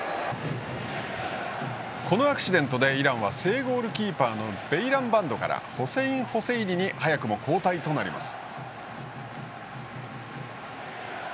このアクシデントでイランは正ゴールキーパーのベイランバンドからホセイン・ホセイニに早くも交代となります。